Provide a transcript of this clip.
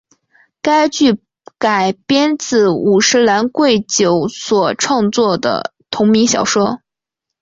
该剧改编自五十岚贵久所创作的同名小说。